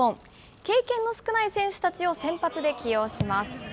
経験の少ない選手たちを先発で起用します。